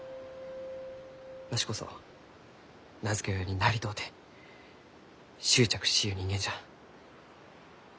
わしこそ名付け親になりとうて執着しゆう人間じゃ。